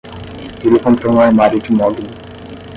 Ele comprou um armário de mogno